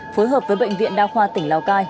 phối hợp với bệnh viện đa khoa tỉnh lào cai